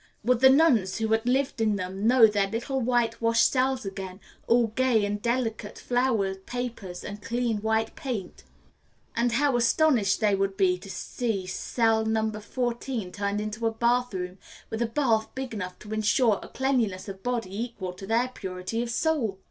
Would the nuns who had lived in them know their little white washed cells again, all gay with delicate flower papers and clean white paint? And how astonished they would be to see cell No. 14 turned into a bathroom, with a bath big enough to insure a cleanliness of body equal to their purity of soul!